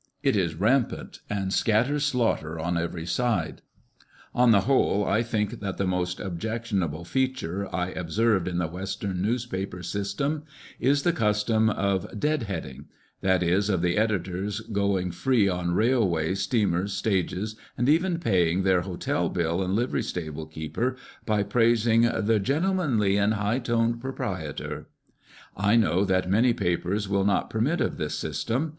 It is rampant, and scatters slaughter on every side. On the whole, I think that the most objec tionable feature I observed in the western newspaper system, is the custom of " dead heading," that is, of the editors going free on railways, steamers, stages, and even paying tlieir hotel bill and livery stable keeper by praising "the gentlemanly and high toned proprietor." I know that, many papers will not permit of this system.